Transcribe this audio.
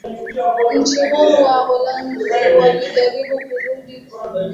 nchi huru Waholanzi walijaribu kurudisha utawala wao